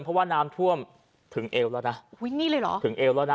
เพราะว่าน้ำท่วมถึงเอวแล้วนะถึงเอวแล้วนะ